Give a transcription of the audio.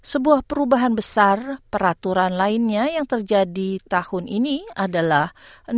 sebuah perubahan besar peraturan lainnya yang terjadi tahun ini adalah